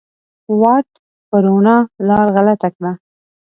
واټ په روڼا لار غلطه کړه